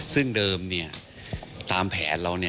ซึ่งเดิมตามแผนเรา